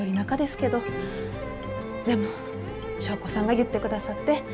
でも祥子さんが言ってくださって。